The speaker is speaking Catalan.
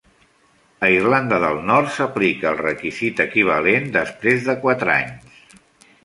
A Irlanda del Nord s'aplica el requisit equivalent després de quatre anys.